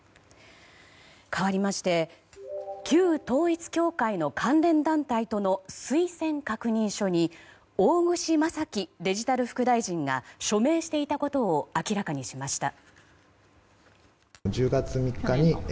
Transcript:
かわりまして旧統一教会の関連団体との推薦確認書に大串正樹デジタル副大臣が署名していたことを明らかにしました。